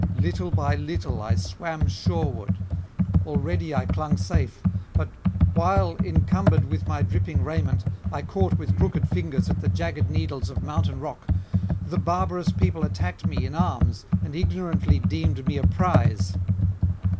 Little by little I swam shoreward; already I clung safe; but while, encumbered with my dripping raiment, I caught with crooked fingers at the jagged needles of mountain rock, the barbarous people attacked me in arms and ignorantly deemed me a prize.